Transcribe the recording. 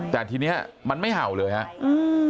แต่ทีนี้มันไม่เห่าเลยครับ